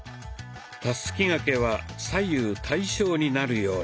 「たすき掛け」は左右対称になるように。